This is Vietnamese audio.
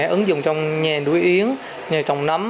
ứng dụng trong nhà đuối yến nhà trồng nấm